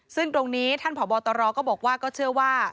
ซึ่งตรงนี้ท่านผอบตรก็บอกว่าก็เชื่อว่า